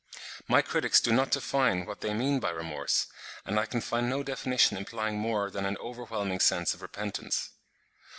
My critics do not define what they mean by remorse, and I can find no definition implying more than an overwhelming sense of repentance.